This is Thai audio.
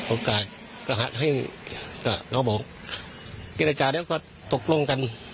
โอกาสกระหัดให้แต่เขาบอกเจรจาแล้วก็ตกลงกัน